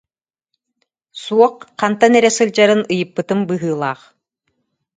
Суох, хантан эрэ сылдьарын ыйыппытым быһыылаах